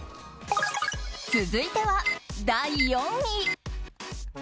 続いては第４位。